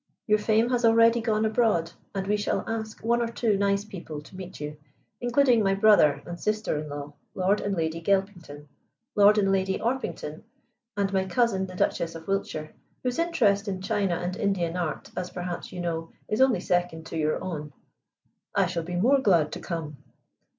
Your fame has already gone abroad, and we shall ask one or two nice people to meet you, including my brother and sister in law, Lord and Lady Gelpington, Lord and Lady Orpington, and my cousin, the Duchess of Wiltshire, whose interest in china and Indian art, as perhaps you know, is only second to your own." "I shall be more glad to come."